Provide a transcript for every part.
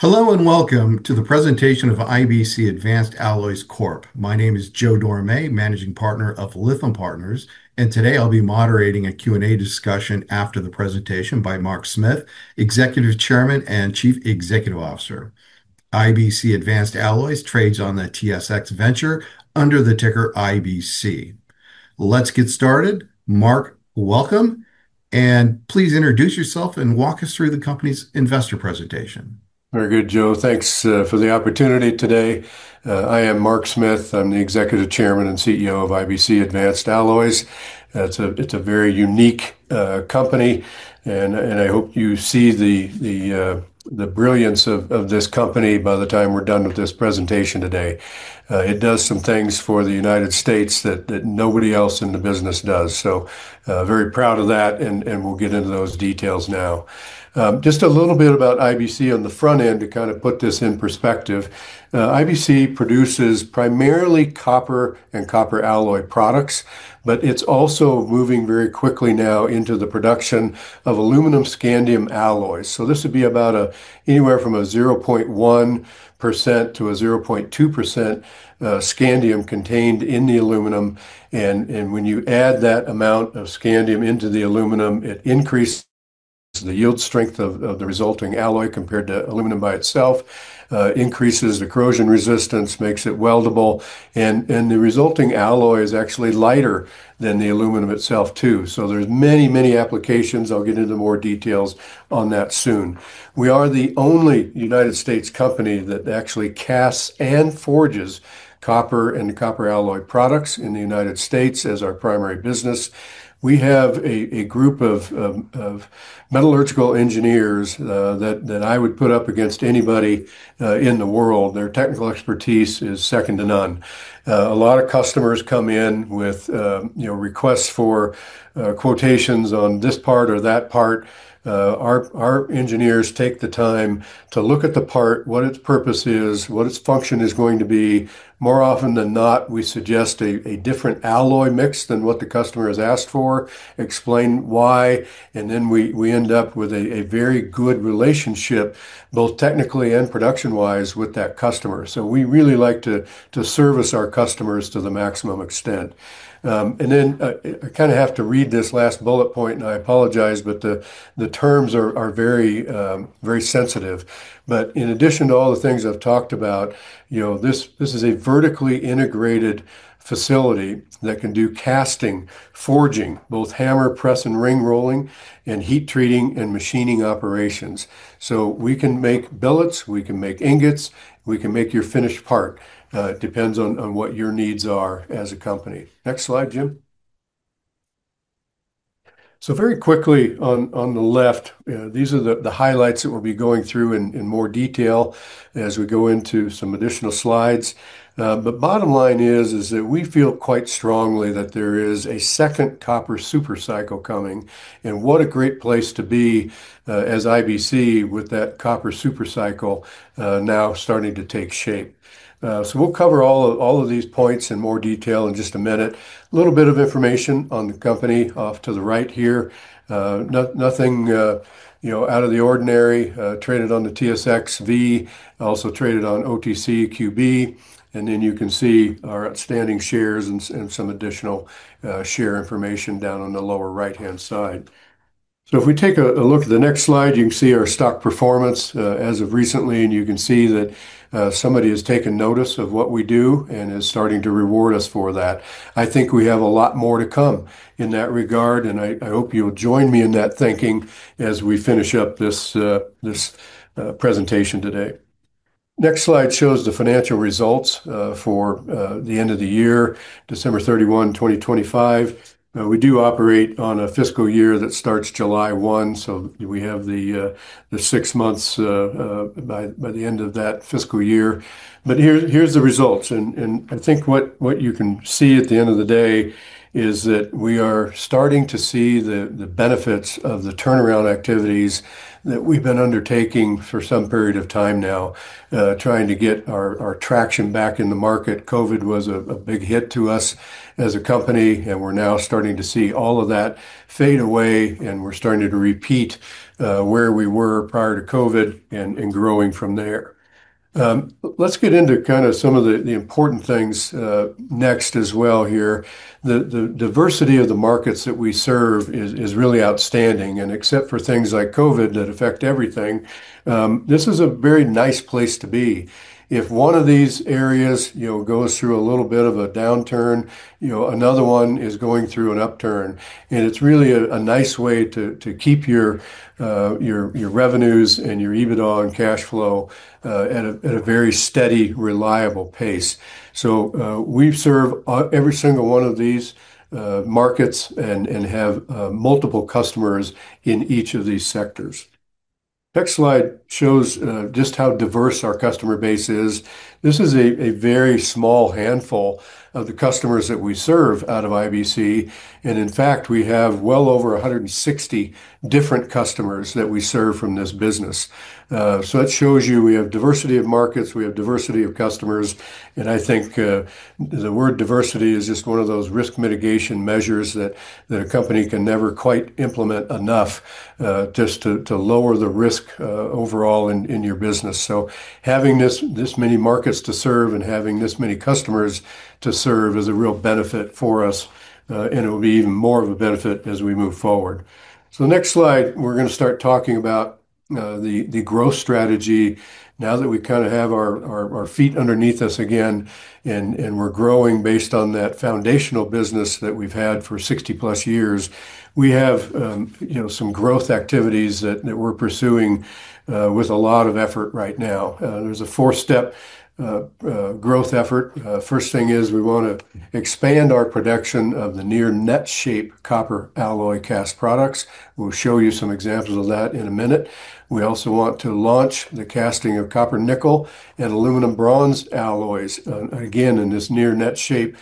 Hello and welcome to the presentation of IBC Advanced Alloys Corp. My name is Joe Dorame, Managing Partner of Lytham Partners, and today I'll be moderating a Q&A discussion after the presentation by Mark Smith, Executive Chairman and Chief Executive Officer. IBC Advanced Alloys trades on the TSX Venture under the ticker IBC. Let's get started. Mark, welcome, and please introduce yourself and walk us through the company's investor presentation. Very good, Joe. Thanks for the opportunity today. I am Mark Smith. I'm the Executive Chairman and CEO of IBC Advanced Alloys. It's a very unique company and I hope you see the brilliance of this company by the time we're done with this presentation today. It does some things for the United States that nobody else in the business does. Very proud of that, and we'll get into those details now. Just a little bit about IBC on the front end to kind of put this in perspective. IBC produces primarily copper and copper alloy products, but it's also moving very quickly now into the production of aluminum-scandium alloys. This would be about anywhere from 0.1% to 0.2% scandium contained in the aluminum. When you add that amount of scandium into the aluminum, it increases the yield strength of the resulting alloy compared to aluminum by itself, increases corrosion resistance, makes it weldable, and the resulting alloy is actually lighter than the aluminum itself too. There's many, many applications. I'll get into more details on that soon. We are the only United States company that actually casts and forges copper and copper alloy products in the United States as our primary business. We have a group of metallurgical engineers that I would put up against anybody in the world. Their technical expertise is second to none. A lot of customers come in with, you know, requests for quotations on this part or that part. Our engineers take the time to look at the part, what its purpose is, what its function is going to be. More often than not, we suggest a different alloy mix than what the customer has asked for, explain why, and then we end up with a very good relationship, both technically and production-wise, with that customer. So we really like to service our customers to the maximum extent. I kinda have to read this last bullet point, and I apologize, but the terms are very sensitive. In addition to all the things I've talked about, you know, this is a vertically integrated facility that can do casting, forging, both hammer, press, and ring rolling, and heat treating and machining operations. We can make billets, we can make ingots, we can make your finished part. It depends on what your needs are as a company. Next slide, Jim. Very quickly on the left, these are the highlights that we'll be going through in more detail as we go into some additional slides. Bottom line is that we feel quite strongly that there is a second copper super cycle coming, and what a great place to be as IBC with that copper super cycle now starting to take shape. We'll cover all of these points in more detail in just a minute. Little bit of information on the company off to the right here. Nothing, you know, out of the ordinary. Traded on the TSXV, also traded on OTCQB, and then you can see our outstanding shares and some additional share information down on the lower right-hand side. If we take a look at the next slide, you can see our stock performance as of recently, and you can see that somebody has taken notice of what we do and is starting to reward us for that. I think we have a lot more to come in that regard, and I hope you'll join me in that thinking as we finish up this presentation today. Next slide shows the financial results for the end of the year, December 31, 2025. We do operate on a fiscal year that starts July 1, so we have the six months by the end of that fiscal year. Here, here's the results. I think what you can see at the end of the day is that we are starting to see the benefits of the turnaround activities that we've been undertaking for some period of time now, trying to get our traction back in the market. COVID was a big hit to us as a company, and we're now starting to see all of that fade away, and we're starting to repeat where we were prior to COVID and growing from there. Let's get into kind of some of the important things next as well here. The diversity of the markets that we serve is really outstanding. Except for things like COVID that affect everything, this is a very nice place to be. If one of these areas, you know, goes through a little bit of a downturn, you know, another one is going through an upturn. It's really a nice way to keep your revenues and your EBITDA and cash flow at a very steady, reliable pace. We serve every single one of these markets and have multiple customers in each of these sectors. Next slide shows just how diverse our customer base is. This is a very small handful of the customers that we serve out of IBC, and in fact, we have well over 160 different customers that we serve from this business. That shows you we have diversity of markets, we have diversity of customers, and I think the word diversity is just one of those risk mitigation measures that a company can never quite implement enough, just to lower the risk overall in your business. Having this many markets to serve and having this many customers to serve is a real benefit for us, and it'll be even more of a benefit as we move forward. The next slide, we're gonna start talking about the growth strategy now that we kind of have our feet underneath us again and we're growing based on that foundational business that we've had for 60+ years. We have, you know, some growth activities that we're pursuing with a lot of effort right now. There's a four-step growth effort. First thing is we wanna expand our production of the near-net shape copper alloy cast products. We'll show you some examples of that in a minute. We also want to launch the casting of copper-nickel and aluminum bronze alloys, again, in this near-net shape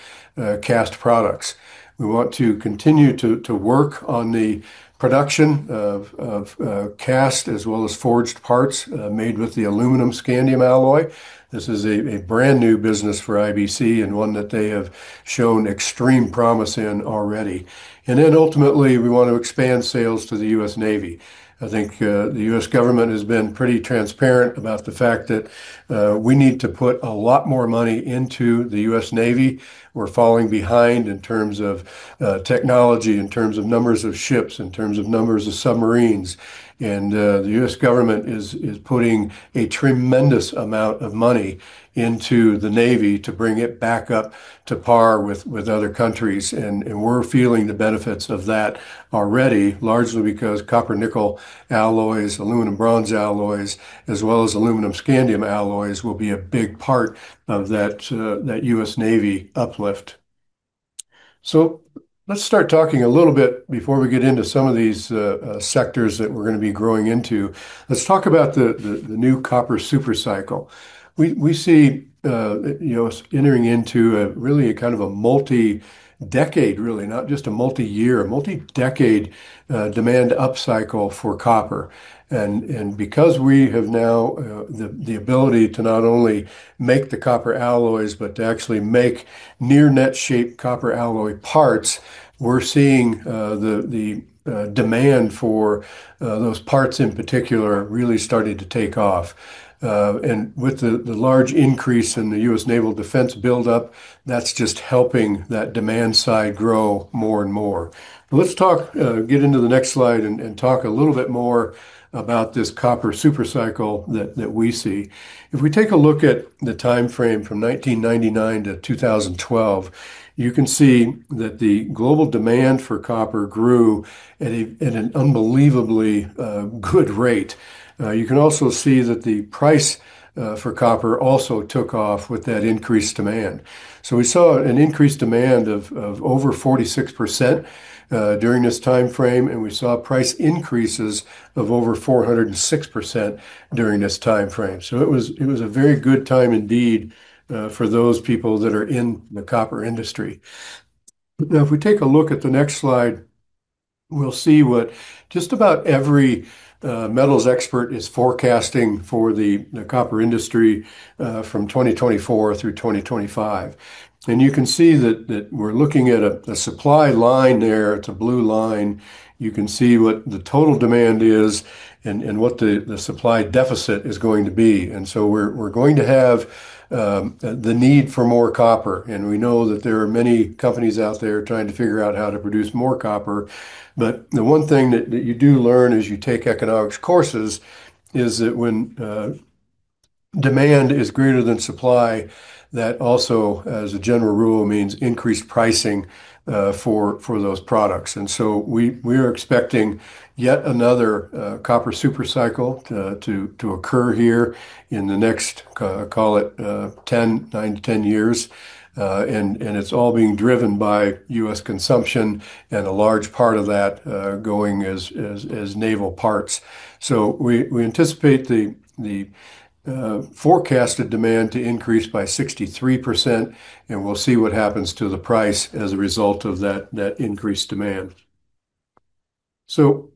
cast products. We want to continue to work on the production of cast as well as forged parts made with the aluminum-scandium alloy. This is a brand new business for IBC and one that they have shown extreme promise in already. Ultimately, we want to expand sales to the U.S. Navy. I think the U.S. government has been pretty transparent about the fact that we need to put a lot more money into the U.S. Navy. We're falling behind in terms of technology, in terms of numbers of ships, in terms of numbers of submarines. The U.S. government is putting a tremendous amount of money into the Navy to bring it back up to par with other countries. We're feeling the benefits of that already, largely because copper-nickel alloys, aluminum bronze alloys, as well as aluminum-scandium alloys will be a big part of that U.S. Navy uplift. Let's start talking a little bit before we get into some of these sectors that we're gonna be growing into. Let's talk about the new copper super cycle. We see, you know, us entering into a really kind of a multi-decade, not just a multi-year, multi-decade demand upcycle for copper. Because we have now the ability to not only make the copper alloys but to actually make near-net shape copper alloy parts, we're seeing the demand for those parts in particular really starting to take off. With the large increase in the U.S. naval defense buildup, that's just helping that demand side grow more and more. Let's talk, get into the next slide and talk a little bit more about this copper super cycle that we see. If we take a look at the timeframe from 1999 to 2012, you can see that the global demand for copper grew at an unbelievably good rate. You can also see that the price for copper also took off with that increased demand. We saw an increased demand of over 46% during this timeframe, and we saw price increases of over 406% during this timeframe. It was a very good time indeed for those people that are in the copper industry. Now, if we take a look at the next slide, we'll see what just about every metals expert is forecasting for the copper industry from 2024 through 2025. You can see that we're looking at a supply line there. It's a blue line. You can see what the total demand is and what the supply deficit is going to be. We're going to have the need for more copper, and we know that there are many companies out there trying to figure out how to produce more copper. But the one thing that you do learn as you take economics courses is that when demand is greater than supply, that also as a general rule means increased pricing for those products. We are expecting yet another copper super cycle to occur here in the next call it 9-10 years. It's all being driven by U.S. consumption and a large part of that going as naval parts. We anticipate the forecasted demand to increase by 63%, and we'll see what happens to the price as a result of that increased demand.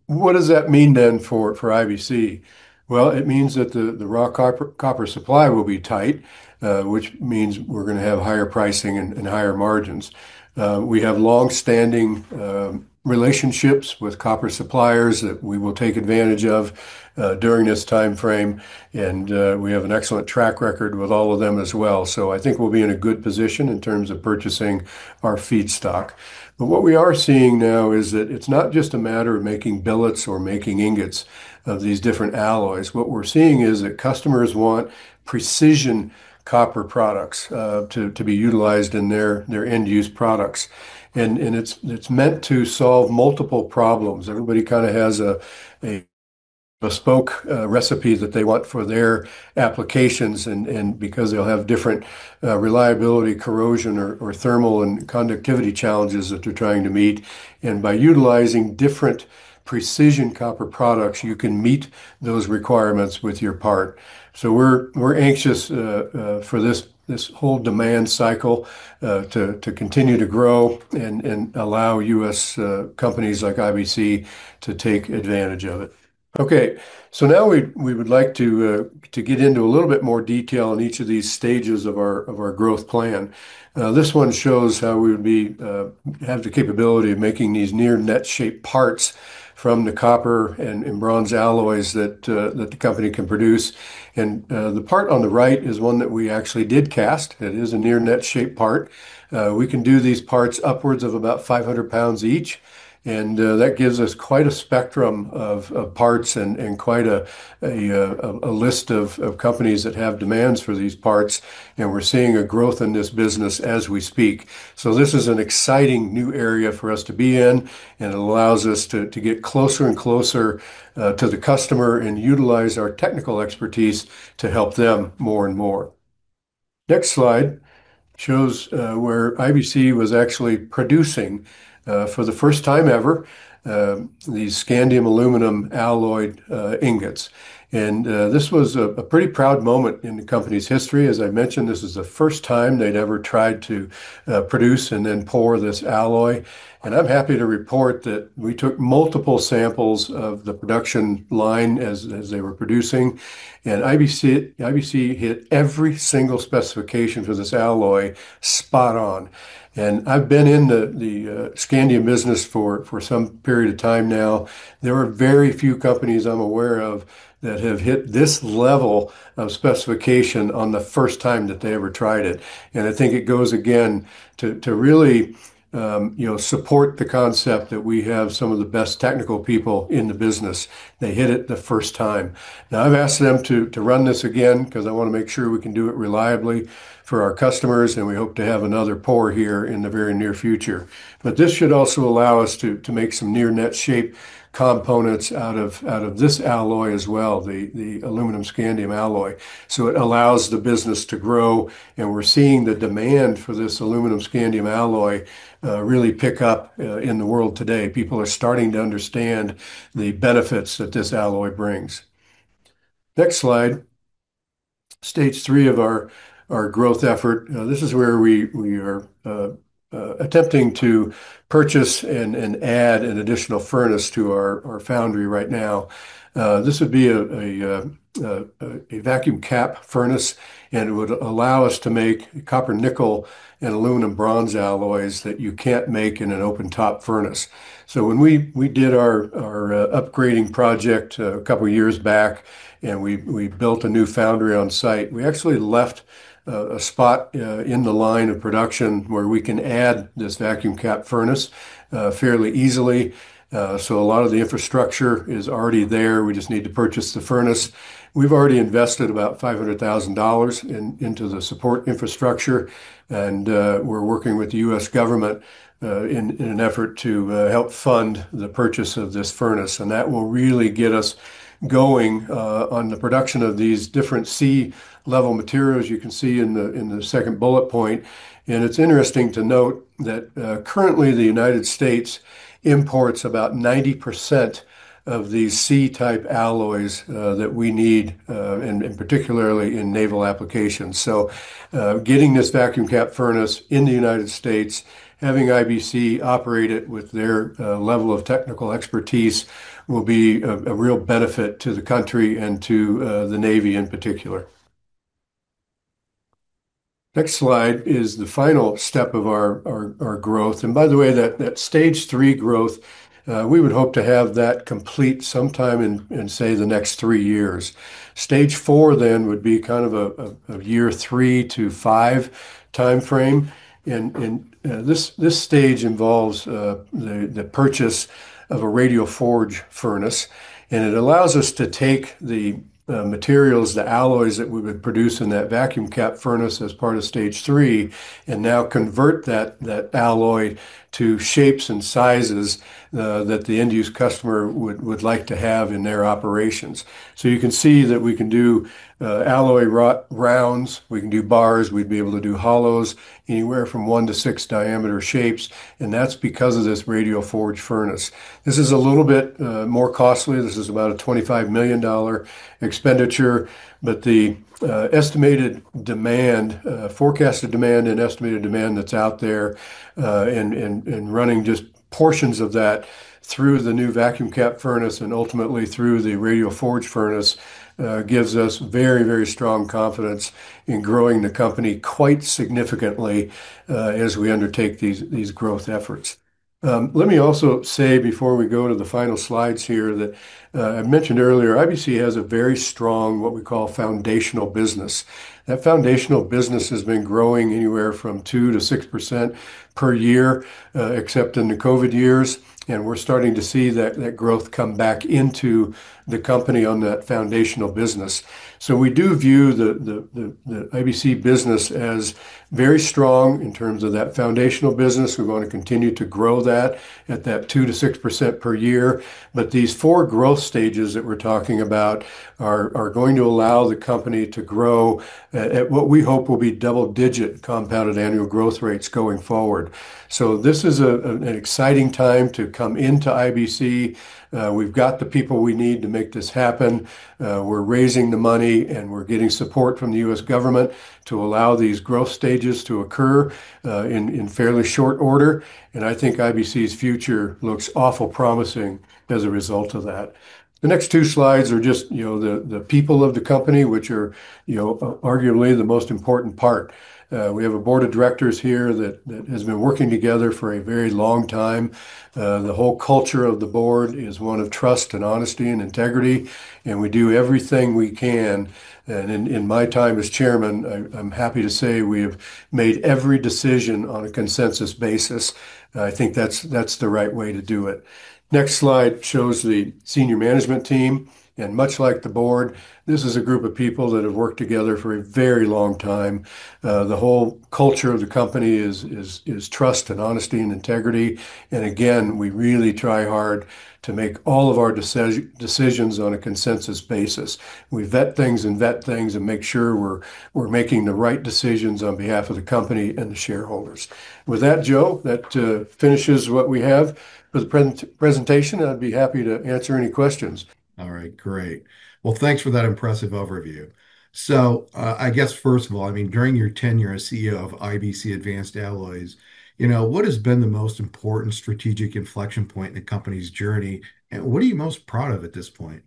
What does that mean then for IBC? Well, it means that the raw copper supply will be tight, which means we're gonna have higher pricing and higher margins. We have long-standing relationships with copper suppliers that we will take advantage of during this timeframe, and we have an excellent track record with all of them as well. I think we'll be in a good position in terms of purchasing our feedstock. What we are seeing now is that it's not just a matter of making billets or making ingots of these different alloys. What we're seeing is that customers want precision copper products to be utilized in their end use products. It's meant to solve multiple problems. Everybody kind of has a bespoke recipe that they want for their applications and because they'll have different reliability, corrosion or thermal and conductivity challenges that they're trying to meet. By utilizing different precision copper products, you can meet those requirements with your part. We're anxious for this whole demand cycle to continue to grow and allow U.S. companies like IBC to take advantage of it. Okay. Now we would like to get into a little bit more detail on each of these stages of our growth plan. This one shows how we have the capability of making these near-net shape parts from the copper and bronze alloys that the company can produce. The part on the right is one that we actually did cast. It is a near-net shape part. We can do these parts upwards of about 500 pounds each. That gives us quite a spectrum of parts and quite a list of companies that have demands for these parts. We're seeing a growth in this business as we speak. This is an exciting new area for us to be in, and it allows us to get closer and closer to the customer and utilize our technical expertise to help them more and more. Next slide shows where IBC was actually producing, for the first time ever, these aluminum-scandium alloy ingots. This was a pretty proud moment in the company's history. As I mentioned, this is the first time they'd ever tried to produce and then pour this alloy. I'm happy to report that we took multiple samples of the production line as they were producing, and IBC hit every single specification for this alloy spot on. I've been in the scandium business for some period of time now. There are very few companies I'm aware of that have hit this level of specification on the first time that they ever tried it. I think it goes again to really, you know, support the concept that we have some of the best technical people in the business. They hit it the first time. Now, I've asked them to run this again 'cause I wanna make sure we can do it reliably for our customers, and we hope to have another pour here in the very near future. This should also allow us to make some near net shape components out of this alloy as well, the aluminum scandium alloy. It allows the business to grow, and we're seeing the demand for this aluminum scandium alloy really pick up in the world today. People are starting to understand the benefits that this alloy brings. Next slide. Stage three of our growth effort. This is where we are attempting to purchase and add an additional furnace to our foundry right now. This would be a Vacuum Cap furnace, and it would allow us to make copper-nickel and Aluminum bronze alloys that you can't make in an open top furnace. When we did our upgrading project a couple of years back and we built a new foundry on site, we actually left a spot in the line of production where we can add this Vacuum Cap furnace fairly easily. A lot of the infrastructure is already there. We just need to purchase the furnace. We've already invested about $500,000 into the support infrastructure. We're working with the U.S. government in an effort to help fund the purchase of this furnace. That will really get us going on the production of these different C level materials you can see in the second bullet point. It's interesting to note that currently the United States imports about 90% of the C type alloys that we need, particularly in naval applications. Getting this Vacuum Cap furnace in the United States, having IBC operate it with their level of technical expertise will be a real benefit to the country and to the Navy in particular. Next slide is the final step of our growth. By the way, that stage three growth, we would hope to have that complete sometime in, say, the next three years. Stage four would be kind of a year 3-5 timeframe. This stage involves the purchase of a radial forging machine, and it allows us to take the materials, the alloys that we would produce in that Vacuum Cap furnace as part of stage three and now convert that alloy to shapes and sizes that the end-use customer would like to have in their operations. You can see that we can do alloy rounds, we can do bars, we'd be able to do hollows, anywhere from 1 to 6 diameter shapes, and that's because of this radial forging machine. This is a little bit more costly. This is about a $25 million expenditure. The estimated demand, forecasted demand and estimated demand that's out there, and running just portions of that through the new Vacuum Cap furnace and ultimately through the radial forging furnace, gives us very, very strong confidence in growing the company quite significantly, as we undertake these growth efforts. Let me also say before we go to the final slides here that I mentioned earlier, IBC has a very strong, what we call foundational business. That foundational business has been growing anywhere from 2% to 6% per year, except in the COVID years. We're starting to see that growth come back into the company on that foundational business. We do view the IBC business as very strong in terms of that foundational business. We're gonna continue to grow that at 2%-6% per year. These four growth stages that we're talking about are going to allow the company to grow at what we hope will be double-digit compounded annual growth rates going forward. This is an exciting time to come into IBC. We've got the people we need to make this happen. We're raising the money, and we're getting support from the U.S. government to allow these growth stages to occur in fairly short order. I think IBC's future looks awful promising as a result of that. The next two slides are just you know the people of the company, which are you know arguably the most important part. We have a board of directors here that has been working together for a very long time. The whole culture of the board is one of trust and honesty and integrity, and we do everything we can. In my time as chairman, I'm happy to say we have made every decision on a consensus basis. I think that's the right way to do it. Next slide shows the senior management team. Much like the board, this is a group of people that have worked together for a very long time. The whole culture of the company is trust and honesty and integrity. Again, we really try hard to make all of our decisions on a consensus basis. We vet things and make sure we're making the right decisions on behalf of the company and the shareholders. With that, Joe, that finishes what we have for the presentation. I'd be happy to answer any questions. All right. Great. Well, thanks for that impressive overview. I guess first of all, I mean, during your tenure as CEO of IBC Advanced Alloys, you know, what has been the most important strategic inflection point in the company's journey, and what are you most proud of at this point?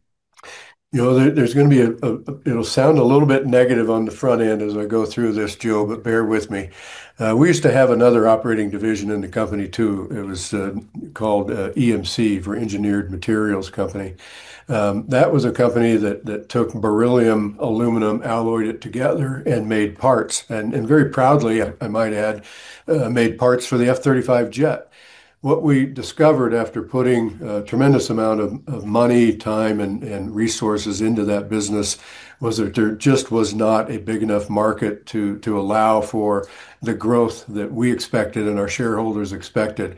You know, it'll sound a little bit negative on the front end as I go through this, Joe, but bear with me. We used to have another operating division in the company too. It was called EMC for Engineered Materials Company. That was a company that took beryllium aluminum, alloyed it together and made parts, and very proudly I might add, made parts for the F-35 jet. What we discovered after putting a tremendous amount of money, time, and resources into that business was that there just was not a big enough market to allow for the growth that we expected and our shareholders expected.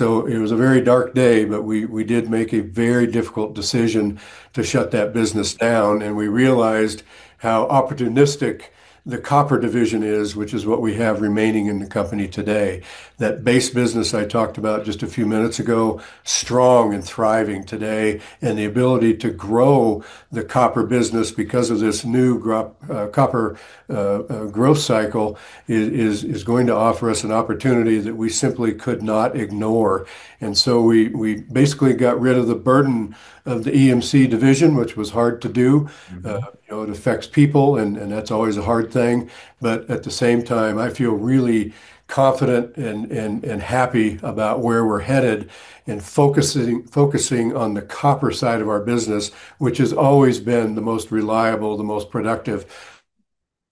It was a very dark day, but we did make a very difficult decision to shut that business down, and we realized how opportunistic the copper division is, which is what we have remaining in the company today. That base business I talked about just a few minutes ago, strong and thriving today, and the ability to grow the copper business because of this new copper supercycle is going to offer us an opportunity that we simply could not ignore. We basically got rid of the burden of the EMC division, which was hard to do. You know, it affects people, and that's always a hard thing. At the same time, I feel really confident and happy about where we're headed and focusing on the copper side of our business, which has always been the most reliable, the most productive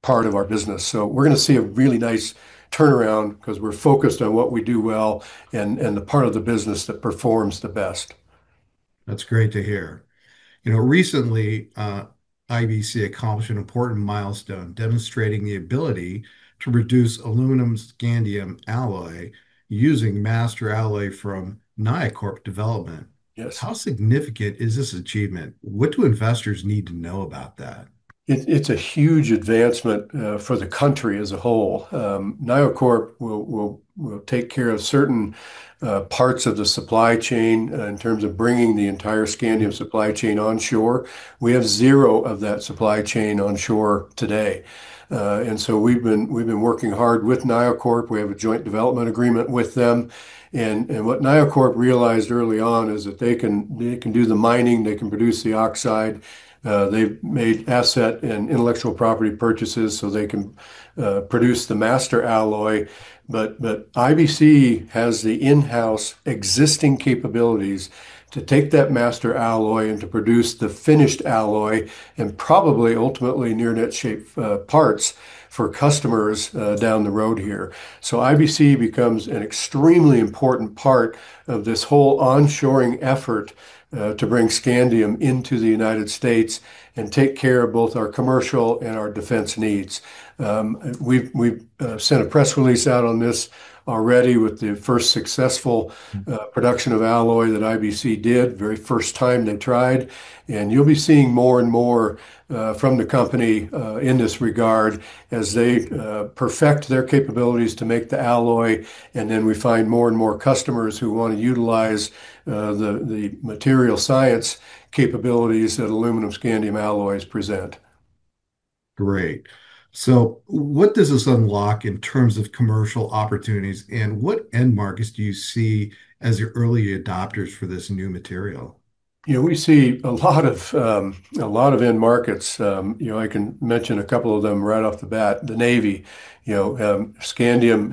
part of our business. We're gonna see a really nice turnaround 'cause we're focused on what we do well and the part of the business that performs the best. That's great to hear. You know, recently, IBC accomplished an important milestone demonstrating the ability to produce aluminum scandium alloy using master alloy from NioCorp Developments. Yes. How significant is this achievement? What do investors need to know about that? It's a huge advancement for the country as a whole. NioCorp will take care of certain parts of the supply chain in terms of bringing the entire scandium supply chain onshore. We have zero of that supply chain onshore today. We've been working hard with NioCorp. We have a joint development agreement with them. What NioCorp realized early on is that they can do the mining, they can produce the oxide. They've made asset and intellectual property purchases, so they can produce the master alloy. IBC has the in-house existing capabilities to take that master alloy and to produce the finished alloy and probably ultimately near-net shape parts for customers down the road here. IBC becomes an extremely important part of this whole onshoring effort to bring scandium into the United States and take care of both our commercial and our defense needs. We've sent a press release out on this already with the first successful Production of alloy that IBC did, very first time they tried. You'll be seeing more and more from the company in this regard as they perfect their capabilities to make the alloy, and then we find more and more customers who wanna utilize the material science capabilities that aluminum scandium alloys present. Great. What does this unlock in terms of commercial opportunities, and what end markets do you see as your early adopters for this new material? You know, we see a lot of end markets. You know, I can mention a couple of them right off the bat. The Navy. You know, scandium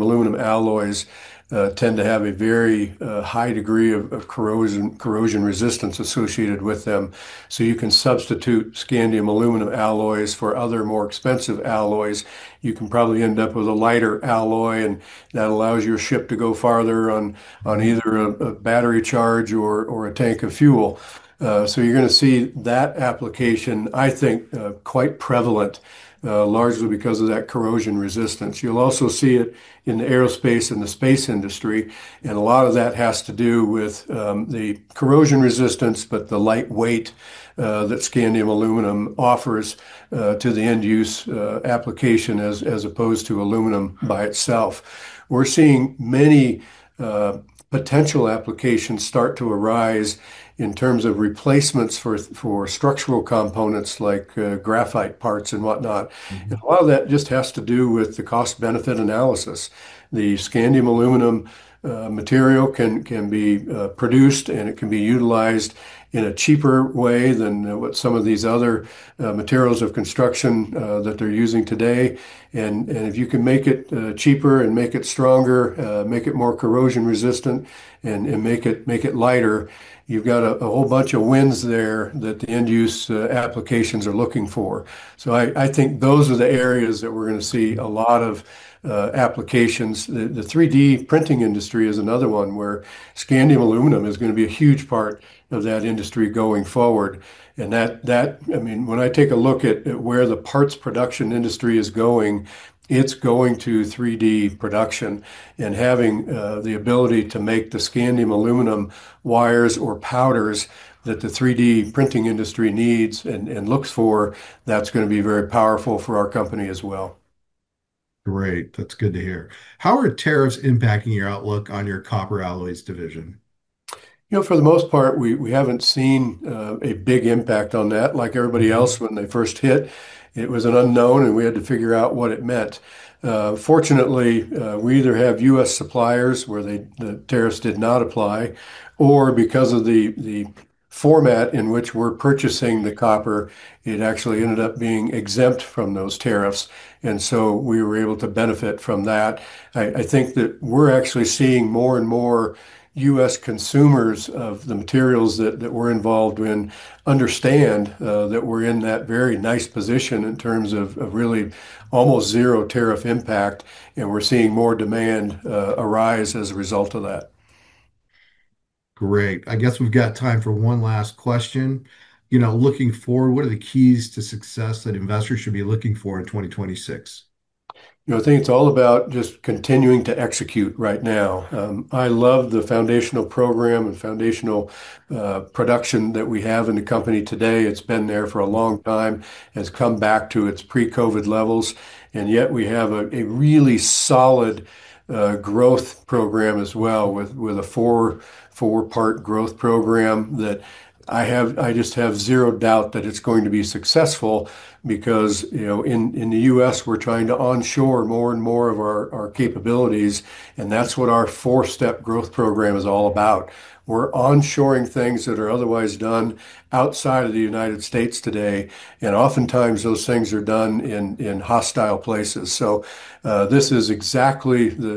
aluminum alloys tend to have a very high degree of corrosion resistance associated with them. So you can substitute scandium aluminum alloys for other more expensive alloys. You can probably end up with a lighter alloy, and that allows your ship to go farther on either a battery charge or a tank of fuel. So you're gonna see that application, I think, quite prevalent, largely because of that corrosion resistance. You'll also see it in the aerospace and the space industry, and a lot of that has to do with the corrosion resistance, but the light weight that scandium aluminum offers to the end use application as opposed to aluminum by itself. We're seeing many potential applications start to arise in terms of replacements for structural components like graphite parts and whatnot. A lot of that just has to do with the cost-benefit analysis. The scandium aluminum material can be produced, and it can be utilized in a cheaper way than what some of these other materials of construction that they're using today. If you can make it cheaper and make it stronger, make it more corrosion resistant and make it lighter, you've got a whole bunch of wins there that the end use applications are looking for. I think those are the areas that we're gonna see a lot of applications. The 3D printing industry is another one where scandium aluminum is gonna be a huge part of that industry going forward, and that. I mean, when I take a look at where the parts production industry is going, it's going to 3D production. Having the ability to make the scandium aluminum wires or powders that the 3D printing industry needs and looks for, that's gonna be very powerful for our company as well. Great. That's good to hear. How are tariffs impacting your outlook on your copper alloys division? You know, for the most part, we haven't seen a big impact on that. Like everybody else when they first hit, it was an unknown, and we had to figure out what it meant. Fortunately, we either have U.S. suppliers where the tariffs did not apply, or because of the format in which we're purchasing the copper, it actually ended up being exempt from those tariffs. We were able to benefit from that. I think that we're actually seeing more and more U.S. consumers of the materials that we're involved in understand that we're in that very nice position in terms of really almost zero tariff impact, and we're seeing more demand arise as a result of that. Great. I guess we've got time for one last question. You know, looking forward, what are the keys to success that investors should be looking for in 2026? You know, I think it's all about just continuing to execute right now. I love the foundational program and production that we have in the company today. It's been there for a long time, has come back to its pre-COVID levels, and yet we have a really solid growth program as well with a four-part growth program that I just have zero doubt that it's going to be successful because, you know, in the U.S. we're trying to onshore more and more of our capabilities, and that's what our four-step growth program is all about. We're onshoring things that are otherwise done outside of the United States today, and oftentimes those things are done in hostile places. This is exactly the